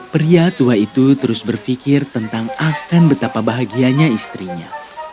pria tua itu terus berpikir tentang akan betapa bahagianya istrinya